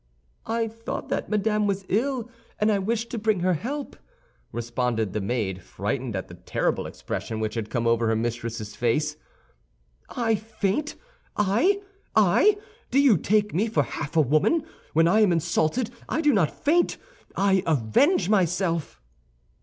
"I thought that Madame was ill, and I wished to bring her help," responded the maid, frightened at the terrible expression which had come over her mistress's face. "I faint? I? I? Do you take me for half a woman? When I am insulted I do not faint; I avenge myself!"